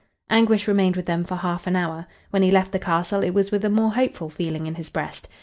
Anguish remained with them for half an hour. When he left the castle it was with a more hopeful feeling in his breast.